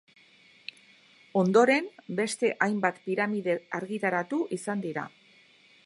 Ondoren beste hainbat piramide argitaratu izan dira.